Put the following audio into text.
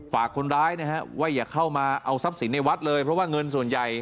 ฝากคนร้ายนะฮะว่าอย่าเข้ามาเอาทรัพย์สินในวัดเลยเพราะว่าเงินส่วนใหญ่